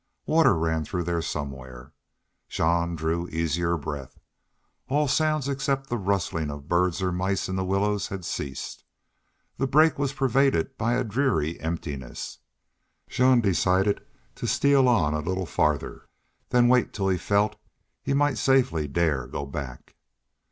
Water ran through there somewhere. Jean drew easier breath. All sounds except the rustling of birds or mice in the willows had ceased. The brake was pervaded by a dreamy emptiness. Jean decided to steal on a little farther, then wait till he felt he might safely dare go back.